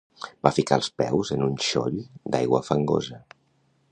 Va ficar els peus en un xoll d'aigua fangosa.